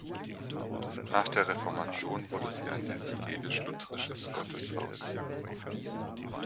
Nach der Reformation wurde sie ein evangelisch-lutherisches Gotteshaus.